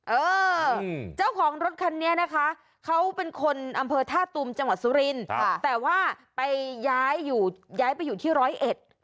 เออเจ้าของรถคันนี้นะคะเขาเป็นคนอำเภอท่าตุมจังหวัดสุรินครับแต่ว่าไปย้ายอยู่ย้ายไปอยู่ที่ร้อยเอ็ด